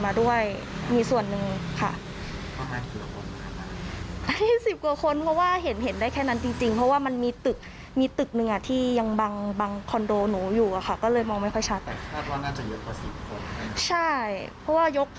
มีส่วนหนึ่งใส่หมวกนอกเพราะเขาขับจากโยนมาด้วย